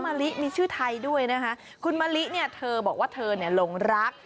มะลิมีชื่อไทยด้วยนะคะคุณมะลิเนี่ยเธอบอกว่าเธอเนี่ยหลงรัก